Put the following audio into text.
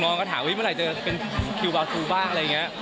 เราก็ถามว่าเมื่อไหร่จะเป็นคิวบาร์ทูบ้างอะไรอย่างนี้